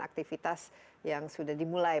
aktivitas yang sudah dimulai